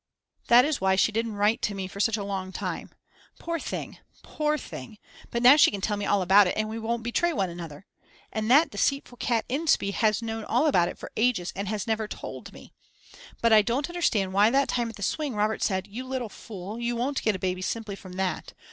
That is why she didn't write to me for such a long time. Poor thing, poor thing, but now she can tell me all about it and we won't betray one another. And that deceitful cat Inspee has known all about it for ages and has never told me. But I don't understand why that time at the swing Robert said: You little fool, you wont get a baby simply from that.